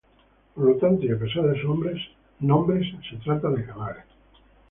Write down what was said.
Por lo tanto y a pesar de sus nombres, se trata de canales.